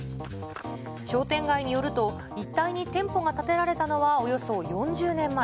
商店街によると、一帯に店舗が建てられたのは、およそ４０年前。